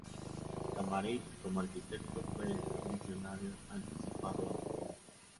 Tamarit como arquitecto fue un visionario anticipado a su tiempo.